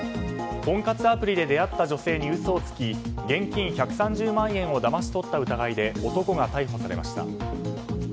婚活アプリで出会った女性に嘘をつき現金１３０万円をだまし取った疑いで男が逮捕されました。